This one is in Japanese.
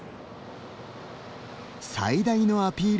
最大のアピール